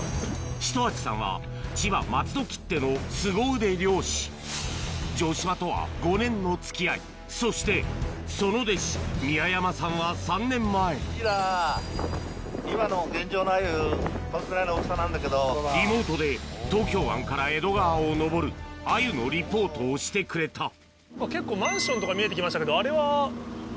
四十八さんは千葉・松戸きってのすご腕漁師城島とは５年の付き合いそしてその弟子宮山さんは３年前リモートで東京湾から江戸川を上るアユのリポートをしてくれた結構マンションとか見えてきましたけどあれは？